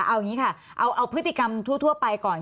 เอาอย่างนี้ค่ะเอาพฤติกรรมทั่วไปก่อน